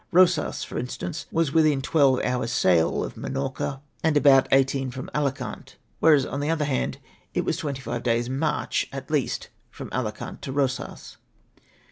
Eosas, for instance, was within tivelve hours' sail of JMinorca, and about eighteen from ILL DIRECTED. 249 Alicant, whereas on the other hand it was hventy five c/ct^s' march at least from Alicant to Eosas.